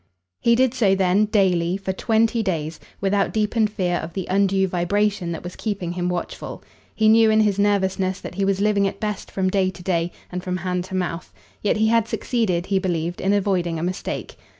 He did so then, daily, for twenty days, without deepened fear of the undue vibration that was keeping him watchful. He knew in his nervousness that he was living at best from day to day and from hand to mouth; yet he had succeeded, he believed, in avoiding a mistake.